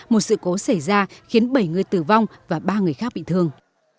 một sự cố xảy ra khiến bảy người tử vong và ba người khác bị thương